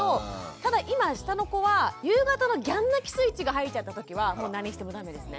ただ今下の子は夕方のギャン泣きスイッチが入っちゃった時は何してもダメですね。